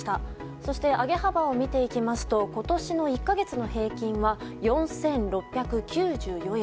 そして、上げ幅を見ていきますと今年の１か月の平均は４６９４円。